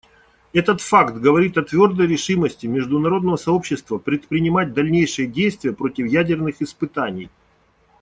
Этот факт говорит о твердой решимости международного сообщества предпринимать дальнейшие действия против ядерных испытаний.